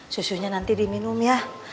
susunya nanti diminum ya